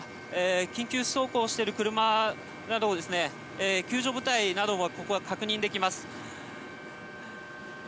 緊急走行している車など救助部隊などがここには確認できます。